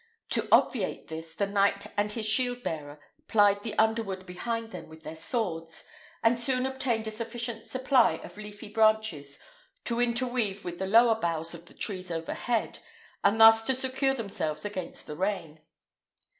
To obviate this, the knight and his shield bearer plied the underwood behind them with their swords, and soon obtained a sufficient supply of leafy branches to interweave with the lower boughs of the trees overhead, and thus to secure themselves against the rain.